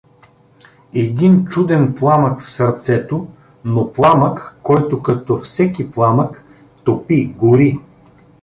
Един чуден пламък в сърцето, но пламък, който, като всеки пламък, топи, гори.